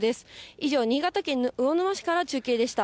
以上、新潟県魚沼市から中継でした。